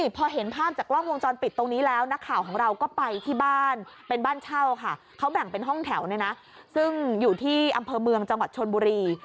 เป็นบ้านเช่าค่ะเขาแบ่งเป็นห้องแถวนะซึ่งอยู่ที่อำเภอเมืองจังหวัดชนบุรี